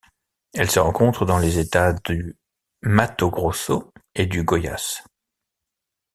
Elle se rencontre dans les États du Mato Grosso et du Goiás.